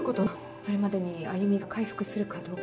それまでにあゆみが回復するかどうか。